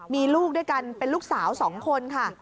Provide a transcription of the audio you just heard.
มีลูกด้วยกันเป็นลูกสาว๒คนค่ะ